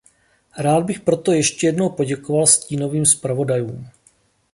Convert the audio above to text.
Rád bych proto ještě jednou poděkoval stínovým zpravodajům.